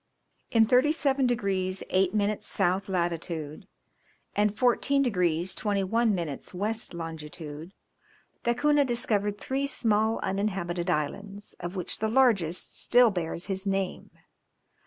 In 37 degrees 8 minutes south latitude, and 14 degrees 21 minutes west longitude, Da Cunha discovered three small uninhabited islands, of which the largest still bears his name.